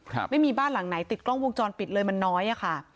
ไม่มีบ้านหลังไหนติดกล้องวงจรปิดเลยมันน้อยอ่ะค่ะ